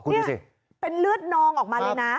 นี่เป็นเลือดนองออกมาเลยนะ